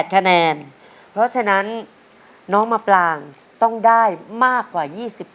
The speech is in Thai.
คะแนนเพราะฉะนั้นน้องมาปลางต้องได้มากกว่า๒๐